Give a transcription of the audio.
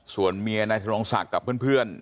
ส่วนเมียนายธนงศักดิ์กับเพื่อน